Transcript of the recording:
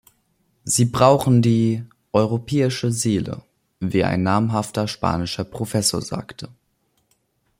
Sie brauchen die "europäische Seele", wie ein namhafter spanischer Professor sagte.